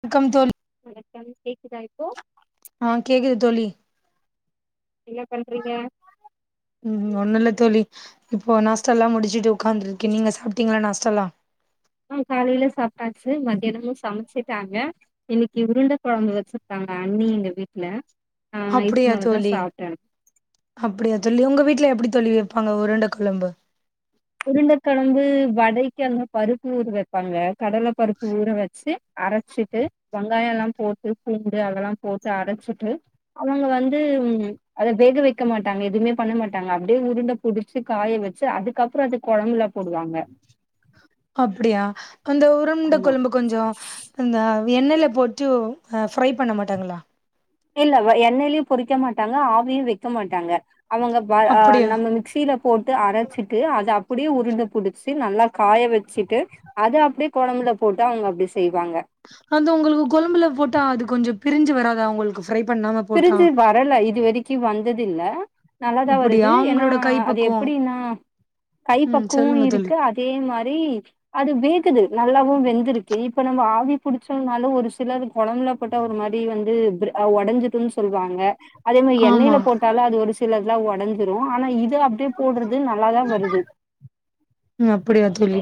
வணக்கம் தோழி வணக்கம் கேக்குதா இப்போ ஆ கேக்குது தோழி என்ன பன்றீங்க ம்ம் ஒண்ணு இல்ல தோழி இப்போ நாஸ்டாலா முடிச்சுட்டு உட்காந்துருக்கே நீங்க சாப்புட்டீங்களா நாஸ்டாலா அ காலைலே சாப்ட்டாச்சு மதியானமு சமைச்சிட்டாங்க இன்னக்கி உருண்ட கொழம்பு வச்சிருக்காங்க அண்ணி எங்க வீட்ல ஆ இதுக்கு அப்டியா மேலதா தோழி சாப்டே அப்டியா தோழி உங்க வீட்ல எப்புடி தோழி வெப்பாங்க உருண்ட கொழம்பு உருண்ட கொழம்பு வடைக்கு அதுவு பருப்பு ஊற வெப்பாங்க கடல பருப்பு ஊற வெச்சு அரச்சிட்டு வெங்காயோலா போட்டு பூண்டு அதெலா போட்டு அரச்சிட்டு அவுங்க வந்து ம் அத வேக வெக்க மாட்டாங்க எதுமே பண்ண மாட்டாங்க அப்டியே உருண்ட புடிச்சு காய வெச்சு அது அதுக்கப்புறோ அது கொழம்புல போடுவாங்க அப்டியா அந்த உருண்ட ஆமா கொழம்பு கொஞ்சோ அந்த எண்ணைல போட்டு அ ஃப்ரை பண்ண மாட்டாங்களா இல்ல வ எண்ணெய்லியு பொரிக்க மாட்டாங்க ஆவியு வெக்க மாட்டாங்க அவங்க ப அ அப்டியா நம்ம மிக்சில போட்டு அரச்சிட்டு அத அப்புடியே உருண்ட புடிச்சு நல்லா காய வெச்சிட்டு அத அப்டியே கொழம்புல போட்டு அவுங்க அப்டி செய்வாங்க அத உங்களுக்கு கொழம்புல போட்டா அது கொஞ்சோ பிரிஞ்சு வராதா உங்குளுக்கு பிரிஞ்சு வரல இது வரைக்கு வந் ததுல்ல நல்லாதா வருது அப்டியா ஏனா உங்களோட அது கைப்பக்குவோ எப்புடின்னா கை ம் பக்குவோ சொல்லுங்க தோழி இருக்கு அதே மாரி அது வே க்குது நல்லாவு வெந்திருக்கு இப்ப நம்ம ஆவி புடிச்சோனாலு ஒரு சில து கொழம்புல போட்டா ஒரு மாரி வந்து விரு ஒடஞ்சு க்னு சொல்வாங்க அதே மாரி ஆமா எண்ணெய்ல போட்டாலு அது ஒரு சில எல்லா ஒடஞ்சுரோ ஆனா இது அப்புடியே போடுறது நல்லாதா வருது அப்புடியா தோழி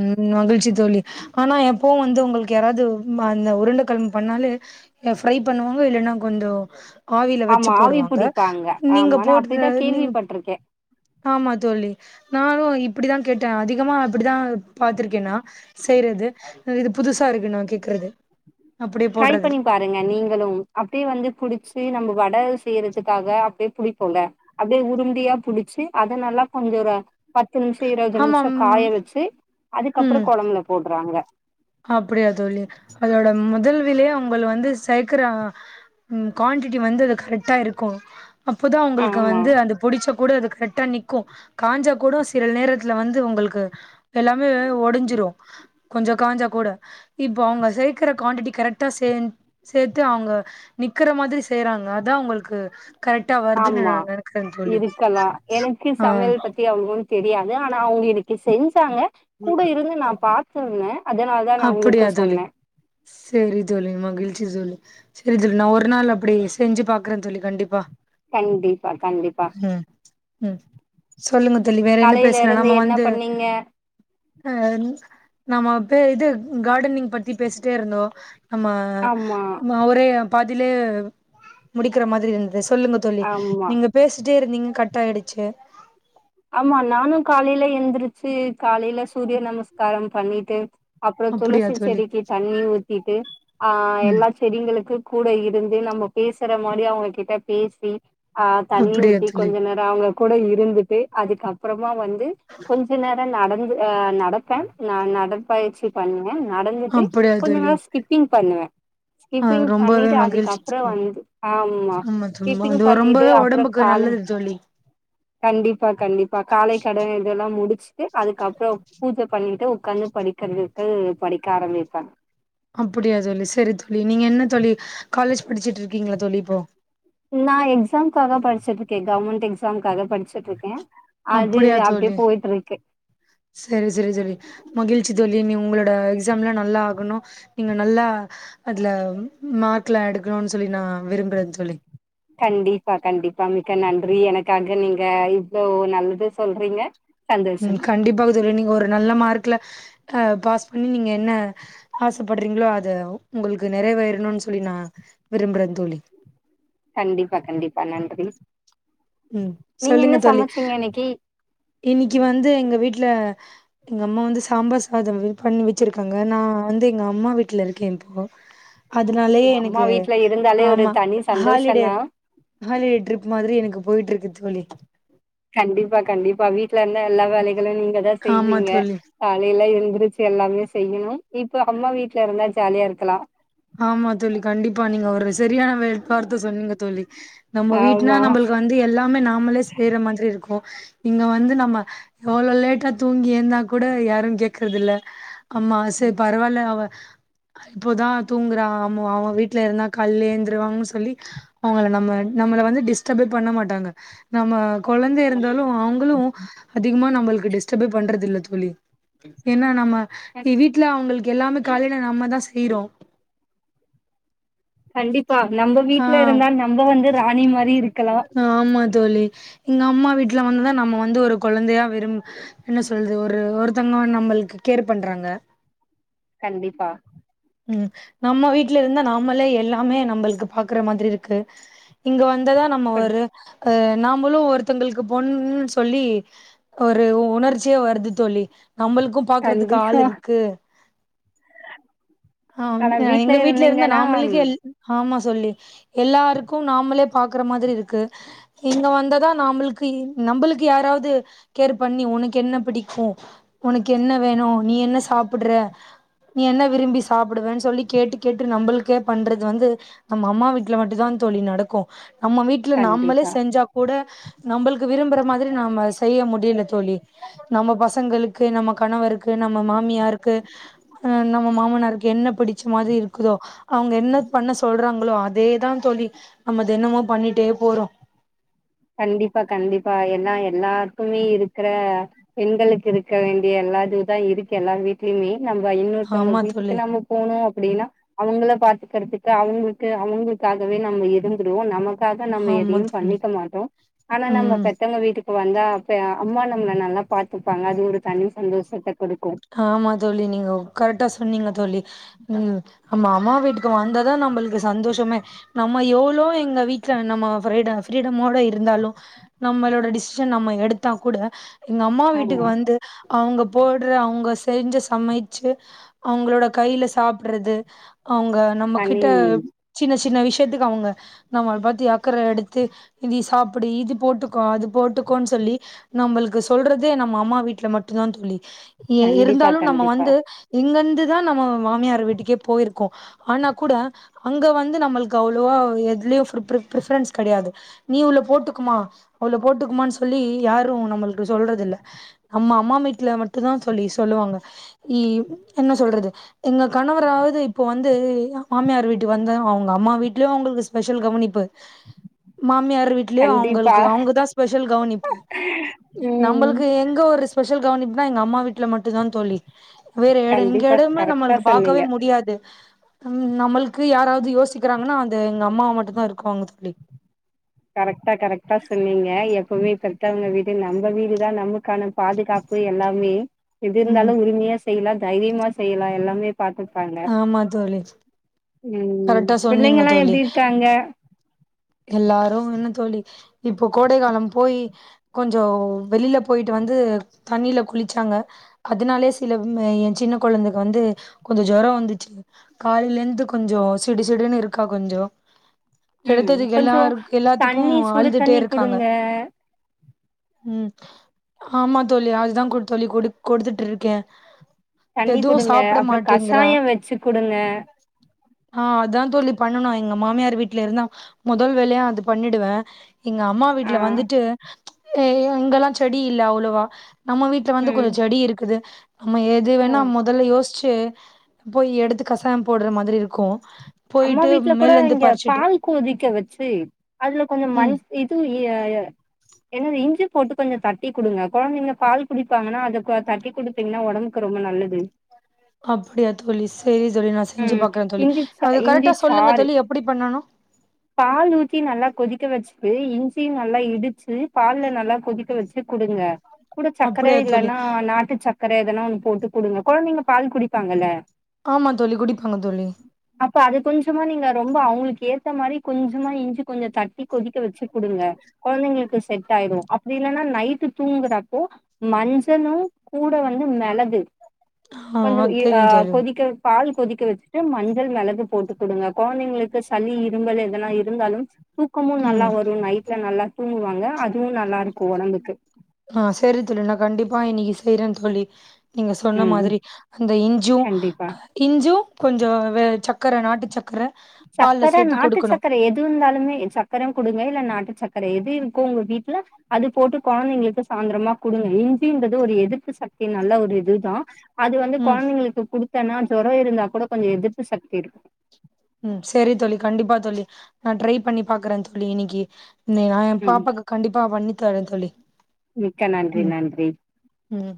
ம்ம் மகிழ்ச்சி தோழி ஆனா எப்பவு வந்து உங்களுக்கு யாராது அந்த உருண்டக்கெழம்பு பண்ணாலே ஃப்ரை பண்ணுவாங்க இல்லன்னா கொஞ்சோ ஆவில வெச்சு ஆமா ஆவி போடுவாங்க புடிப்பாங்க நீங்க ஆமா நா போட்டு அப்டிதா நீங்க கேள்விப்பட்டிருக்கே ஆமா தோலி நானோ இப் அதா கேட்டே அதிகமா அது அப்புடிதா பாத்திருக்கே நா செய்றது இது புதுசாருக்கு நா கேக்குறது அப்டியே ட்ரை போடுறது பண்ணி பாருங்க நீங்களோ அப்புடியே வந்து புடிச் நம்ம வட செய்யறதுக்காக அப்டியே புடிப்போல அப்டியே உருண்டயா புடிச்சு அதனல்லா கொஞ்சோ தா பத்து நிமிஷ இருவது நிமிஷோ ஆமாம் காய வெச்சு அதுக்கப்புறோ கொழம்புல போடுறாங்க அப்புடியா தோலி அதோட முதல்விலேயே அவுங்கள வந்து சேக்குற குவான்டிட்டி வந்து அது கரெக்டா இருக்கோ அப்போதா அவுங்களுக்கு ஆமா வந்து அது புடிச்சா கூடதுக்கு கரெக்டா நிக்கு காஞ்சா கூட சில நேரத்துல வந்து உங்களுக்கு எல்லாமே ஒடஞ்சுரு கொஞ்சோ காஞ்சா கூட இப்போ அவுங்க சேக்கற குவான்டிட்டி கரெக்டா சே சேர்த்து அவுங்க நிக்கற மாதிரி செய்றாங்க அதா அவுங்களுக்கு ஆமா இருக்கலா எனக்கு ஆ சமையல் பத்தி அவ்ளவு தெரியா ஆனா அவுங்க எனக்கு செஞ் அதனால தா நா உங்களுக்கு அப்டியா தோலி சொன்னே செரி தோலி மகிழ்ச்சி தோலி செரி செரி நா ஒரு நாள் அப்டி செஞ்சு பாக்குறே தோலி கண்டிப்பா கண்டிப்பா கண்டிப்பா ம் ம் சொல்லுங்க தோழி வேற என்ன காலையில பேஷ்லா இருந்து நம்ம என்ன வந்து பண்ணீங்க ஆஹ் நம்ப அப்பே இது கார்டனிங் பத்தி பேசிட்டே இருந்தோ அம்மா ஆமா மவ்ரே பாதிலே முடிகற மாரி இருந் சொல்லுங்க தோழி ஆமா நீங்க பேசிட்டே இருக்கீங் கட்டாய்டுச்சி ஆமா நானு காலையில எந்திரிச்சி காலையில சூரிய நமஸ்கார பண்ணிட்டு அப்றோ அப்டியா துளசி தோழி செடிக்கு தண்ணி ஊத்திட்டு ஆஹ் ம் எல்லா செடிங்களுக்கு கூட இருந்து நம்ப பேசுற மாரி அவங்க கிட்ட பேசி ஆஹ் தண்ணி அப்டியா ஊத்தி தோழி கொஞ்ச நேரோ அங்க கூட இருந்துட்டு அதுக்கப்பறமா வந் ந்து கொஞ்ச நேர நடந் ந்து ஆஹ் நடப்பான் நா நடபயிற்சி பண் நடந்துட்டு அப்டியா தோழி கொஞ்ஜமா ஸ்கிப்பிங் பண்ணுவே ஆ ஸ்கிப்பிங் ரொம்பவே பண்ணிட்டு மகிழ்ச்சி அதுக்கப்றோ தோழி வந்து ஆமா தோழி ஸ்கிப்பிங் அது பண்ணிட்டு ரொம்பவே அப்றோ ஒடம்புக்கு கால நல்லது தோழி கண்டிப் ப்பா கண்டிப்பா காலை கடன் இதெல்லா மு பசிட்டு அதுக்கப்றோ பூஜ பண்ணிட்டு உக்காந்து படிக்கறதுக்கு படிக்க ஆரம்பிப்பாங் அப்டியா தோழி செரி தோழி நீங்க என்ன தோழி காலேஜ் படிச்சிட்ருக்கீங்களா தோழி இப்போ நா எக்ஸாம்காக படிச்சிட்ருக்கே கவர்மெண்ட் எக் [inaudible] எக்ஸாம்க்காக படிச்சிட்ருக்கே அப்டியா தோழி செரி செரி செரி மகிழ்ச்சி தோழி நீ உங்கள டு எக்ஸாம்லா நல்லாகுனு நீங்க நல்லா அதுல மார்க்குலா எடுக்கணுனு சொல்லி நா விரும்புறே தோழி கண்டிபா கண்டிபா மிக்க நன்றி எனக்காக நீங்க இவ்ளோ நல்லது சொல்றீங்க ம் சந்தோஷம் கண்டிப்பாக தோழி நீங்க ஒரு நல்ல மார்க் ல ஆஹ் பாஸ் பண்ணி நீங்க என்ன ஆசைபடுறீங்களோ அத உங்களுக்கு நிறைவேறனு சொல்லி நா விரும்புறே தோழி கண்டிபா கண்டிபா நன்றி ம் நீங்க என்ன சொல்லுங்க தோழி சமைச்சீங்க இன்னைக்கி இன்னக்கி வந்து எங்க வீட்ல எங்க அம்மா வந்து சாம்பார் சாதம் பண்ணி வச்சிருக்காங்க நா வந்து எங்க அம்மா வீட்ல இருக்கேன் இப்போ அதுனாலே எங்க அம்மா எனக்கு வீட்ல இருந்தாலே ஒரு ஆமா தனி ஹாலிடே சந்தோஷந்தா ஹாலிடே ட்ரிப் மாரி எனக்குப் இருக்கு தோழி கண்டிப்பா தோ ஆமா செய்வீங்க தோழி. காலைல எல்லா எந்திரிச்சு எல்லாமே செய்யணும் இப்ப அம்மா வீட்ல இருந்தா ஜாலியா இருக்கலா ஆமா தோழி கண்டிப்பா நீங்க ஒரு சரியான வார்த சொன்னீங்க தோழி நம்ம வீட்டுனா ஆமா. நம்மளுக்கு வந்து எல்லாமே ந நாமளே செய்யற மாரி இருக்கும் இங்க வந்து நம்ம எவ்வளவு லேட்டா தூங்கி ஏந்த கூட யாரும் கேக்குறதில்ல ஆமா ச பரவலா அவ அ இப்பதான் தூங்குறா அவ வீட்டுல இருந்தா காலைல ஏந்துருவாங்கன்னு சொல்லி அவங்க நம்ம நம்மள வந்து டிஸ்டர்பே பண்ண மாட்டாங்க நம்ம கொழந்த கண்டிப்பா இருந்தாலும் அவங்களும் அதிகமா நம்மளுக் டிஸ்டர்பே பண்றதில்ல தோழி எனா நம்ம கண் இ வீட்ல அவங்களு எல்லாமே காலைல நம்ம தான் செய்யிரோம் கண்டிப்பா நம்ப ஆ வீட்ல இருந்தா நம்ப வந்து ராணி மாரி இருக்கலா ஆமா தோழி எங்க அம்மா வீட்ல வந்துதான் நம்ப வந்து ஒரு கொழந்தையா விரும் என்ன சொல்லுது ஒரு ஒருத்தங்க நம்மளுக்கு கேர் பண்றாங்க கண்டிப்பா ம் நம்ம வீட்ல இருந்த நாமளே எல்லாமே நம்பளுக்கு பாக்குற மாதிரி இருக்கு இங்க வந் [unintelligible] நம்ம கண் ஒரு நாமளும் ஒருத்தங்களுக்கு பொண்ணுன்னு சொல்லி ஒரு உணர்ச்சியா வருது தோழி நம்மளுக்கும் பாக்குறதுக்கு ஆள் கண்டிப்பா இருக்கு ஆ ஆனா எங்க வீட்ல இருந்தா இருந்தீங்கன்னா நாம்மளுக்கே எல் ஆமா சொல்லி எல்லாருகும் நாமளே பாக்குற மாதிரி இருக்கு இங்க வந்ததான் நமளுக்கு நம்ப ளுக்கு யாராவது கேர் பண்ணி உனக்கு என்ன பிடிக்கு உனக்கு என்ன வேணு நீ என்ன சாப்டுற நீ என்ன விரும்பி சாப் சாப் டுவேன்னு சொல்லி கேட்டு கேட்டு நம்பளுக்கே பண்றது வந்து நம அம்மா வீட்ல மட்டுும் தான் தோழி நடக்கும் நம்ம வீட்ல நம்மளே கண்டிப்பா. செஞ்சா கூட நம்பளுக்கு விரும்புற மாதிரி நம செய்ய முடில தோழி நம்ம பசங்களுக்கு நமக் கணவருக்கு நம்ம மாமியாருக்கு ம் நம்ம மாமனாருக் என்ன பிடிச்ச மாரி இருக்குதோ அவங்க என்ன பண்ண சொல்றாங்களோ அதேதான் தோழி நம்ம தினமோ பண்ணிடே போறோ கண்டிப்பா கண்டிப்பா ஏன்னா எல்லார்குமே இருக்கற பெண்களுக்கு இருக்க வேண்டிய எல்லாது தான் இருக்கு எல்லா வீட்லயுமே நம்ப இன்னொருத்தங்க ஆமா தோழி வீட்டுக்கு நம்ம போனோம் அப்படினா அவங்கள பாத் கிடச்சிட்டா அவங்களுக்கு அவங்களுக்காகவே நம்ம இருந்துருவோம் நமக் க்காக நம்ம ஆமா எதையும் தோழி பண்ணிக்க மாட் ஆனா நம்ம ம் பெத்தவங்க வீட் வந்தா அப்பையா அம்மா நம்மள நல்லா பாத்துப்பாங்க அது ஒரு தனி சந்தோஷம் கிடச் ஆமா தோழி நீங்க உக் கரெக்டா சொன்னீங்க தோழி ம் நம்ம அம்மா வீட்டுக்கு வந்தாதான் நம்மளுக்கு சந்தோஷமே நம்ம எவ்ளோ எங்க வீட்டுல நம்ம ஃப்ரீடா ஃப்ரீடமோட இருந்தாலும் நம்மளோட டிசிஷன் நம்ம எடுத்தா கூட எங்க அம்மா வீட்டுக்கு ஆமா வந்து அவங்க போட் அவங்க செஞ்ச சமைச்சு அவங்களோட கையில சாப்பிடுறது அவங்க நம்ம தனி கிட்ட சின்ன சின்ன சின்ன விஷ்யத்துக்கு அவுங்க நம்மள பத்தி அக்கற எடுத்து இதிய சாப்புடு இது போட்டுக்கோ அது போட்டுக்கோன் சொல்லி நம்பள்கு சொல்றதே நம்ம அம்மா வீட்ல மட்டுதா தோழி எ கண்டிப்பா இருந்தாலு நம்ம கண்டிப்பா வந்து இங்கந்து தா நம்ம மாமியார் வீட்டுக்கே போயிருக்கோ ஆனாகூட அங்க வந்து நம்மள்கு அவ்ளோவா எதுலியு பிப் ரிப் பிரெஃப்ரன்ஸ் கடையாது நீ உள்ள போட்டுக்குமா உள்ள போட்டுக்குமான் சொல்லி யாரும் நம்ளுக்கு சொல்றது இல்ல நம்ம அம்மா வீட்ல மட்டுதா தோழி சொல்லுவாங்க என்ன சொல்றது எங்க கணவராவ்து இப்ப வந்து மாமியார் வீட்டு வந்த அவுங்க அம்மா வீட்லயு அவுங்களுக்கு ஸ்பெஷல் கவனிப்பு மாமியார் வீட்லயு கண்டிப்பா அவுங்கள்கு அவங்கதா ஸ்பெஷல் கவனிப்பு ம் நம்மளுக்கு எங்க ஒரு ஸ்பெஷல் கவணிப்னா எங்க அம்மா வீட் ட்ல மட்டு‌தா தோழி வேற எடோ இங்க கண்டிப்பா எடமே கரெக்டா நம்மள்கு சொன்னீங்க பாக்கவே முடியாது நம்மள்கு யாராது யோசிக்கறாங்கனா அது எங்க அம்மாவ மட்டுதா‌ இருக்குவாங்க தோழி கரெக்ட்டா கரெக்ட்டா சொன்னீங்க எப்போமே பெத்தவங்க வீடு நம்ப வீடுதா நமக்கான பாதுகாப்பு எல்லாமே எது ம் இருந்தாலு உரிமையா செய்யலா தைரியமா செய்யலா எல்லாமே பாத்துப்பாங்க ஆமா தோழி ம் கரெக்டா சொன்னீங்க பிள்ளைங்கல்லா தோழி எப்டி இருக்காங்க எல்லாரு என்ன தோழி இப்போ கோடை காலம் போயி கொஞ்சோ வெளில போயிட்டு வந்து தண்ணில குளிச்சாங்க அதுனாலே சில ம் ஏ சின்ன கொழந்தைக்கு வந்து கொஞ்சோ ஜொரோ வந்துச்சு காலைலேந்து கொஞ்சோ சிடுசிடுன்னு இருக்கா கொஞ்சோ ம் எடுத்ததுக் கொஞ்சோ எல்லார் எல்லாத்துக்கு தண்ணி சுடு அழுதுட்டே தண்ணி இருக்காங்க குடுங்க ம் ஆமா தோழி அதுதா கொட் தோழி கொடு கொடுத்துட்ருக்கே தண்ணி குடுங்க அப்றோ கஷாயோ வெச்சு குடுங்க ஆ அதா தோழி பண்ணனு எங்க மாமியார் வீட்ல இருந்தா முதல் வேலையா அது பண்ணிடுவே எங்க அம்மா ஆ வீட்ல வந்துட்டு யே யே இங்கல்லா செடி இல்ல அவ்ளவா நம்ம வீட்ல வந்து ம் கொஞ்சு செடி இருக்குது நம்ம எது ஓ வேணா மொதல்ல யோசி செரி போய் எடுத்து கசாயம் போட்ற மாதிரி இருக்கு க்கும் அம்மா வீட்ல கூட இங்க பால் கொதிக்க வச்சு அதுல கொஞ்சம் ம் மஞ்ச இது என்னது இஞ்சி போட்டு கொஞ்சம் தட்டி கொடுங்க குழந்தைங்க பால் குடிப்பாங்கன்னா அத தட்டி குடுப்பீங்கன்னா உடம்புக்கு ரொம்ப நல்லது அப்படியா தோழி ச செரி சொல்லி நான் செஞ்சு ம் பாக்குறேன் சொல்லி இஞ்சி சா அது இஞ்சி கரெக்டா சொல்லுங்க சாறு தோழி எப்படி பண்ணணும் பால் ஊத்தி நல்லா கொதிக்க வச்சு பே இஞ்சியு நல்லா இடிச்சு பால்ல நல்லா கொதிக்க வச்சு குடுங்க கூட சக்கர அப்படியா தோழி இல்லன்னா நாட்டு சக் வேற எதுனா ஒன்னு போட்டு கொடுங்க கொழந்தைங்க பால் குடிப்பாங்கல்ல ஆமா தோழி குடிப்பாங்க தோழி அப்ப அது கொஞ்சமா நீங்க ரொம்ப அவங்களுக்கு ஏத் த்தமாரி கொஞ்சமா இஞ்சி கொஞ்சம் தட்டி கொதிக்க வச்சு குடுங்க கொழந்தைங்களுக்கு செட் ஆயிடும் அப்டி இல்லைன்னா நைட்டு தூங்குறப்போ மஞ்சளு கூட வந்து மெளகு ஆ கொஞ்சம் தெரியும் அஹ் தெரியும் கொதிக்க பால் கொதிக்க வச்சுட்டு மஞ் மெளகு போட்டுக் கொடுங்க கொழந்தைங்களுக்கு சளி இருமல் இதல்லா இருந்தாலும் தூக்கமு நல்லா ம் வரும் நைட்ல நல்லா தூங்குவாங்க அதுவு நல்லா இருக்கு ஒடம்புக்கு ஆஹ் சரி தோழி நா கண்டிப்பா இன்னைக்கு செய்றே தோழி நீங்க சொன்ன ம் மாதிரி அந்த இஞ்சு கண்டிப்பா இஞ்சு கொஞ்சோ வே சக் க்கர நாட்டு சக்கர பால்ல சக்கர சேத்து நாட்டு கொடுக்கணும் சக்கர எது இருந்தாலுமே சக்கர கொடுங்க இல்ல நாட்டு சக் அது எது இருக்கோ உங்க வீட்டுல அது போட்டு கொழந்தைங்களுக்கு சாயந்திரமா குடுங்க இஞ்சின்றது ஒரு எதிர்ப்பு சக்தி நல்ல ஒரு இதுதா அது வந்து ம் கொழந்தைங்களுக்கு குடுத் ஏன்னா ஜுரம் இருந்தா கூட கொஞ்சோ எதிர்ப்பு சக்தி இருக்கு ம் சரி தோழி கண்டிப்பா தோழி நா ட்ரை பண்ணி பாக்குறே தோழி இன்னிக்கு இ நா என் ம் பாப்பாக்கு கண்டிப்பா பண்ணி சரி தோழி மிக்க நன்றி நன்றி உம்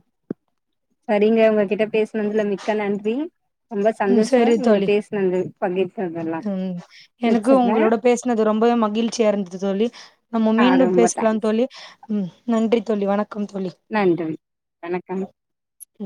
சரிங்க உங்ககிட்ட பேசினதுல மிக்க நன்றி ரொம்ப சந்தோஷம் நீங்க பேசினது உம் எனக்கு உங்களோட பேசினது ரொம்பவே மகிழ்ச்சியா இருந்தது தோழி நம்ம ஆ மீண்டும் ரொம்ப பேசலா தேங்க்ஸ் தோழி உம் நன்றி தோழி வணக்கம் தோழி நன்றி வணக்கம் ம்